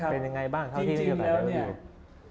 เป็นยังไงบ้างเท่าที่พี่บรรยายอยู่